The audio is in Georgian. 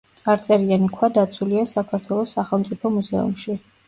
წარწერიანი ქვა დაცულია საქართველოს სახელმწიფო მუზეუმში.